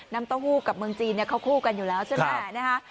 น้ำเต้าหู้กับเมืองจีนเนี้ยเข้าคู่กันอยู่แล้วใช่ไหมครับนะฮะ